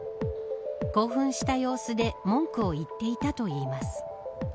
興奮した様子で文句を言っていたといいます。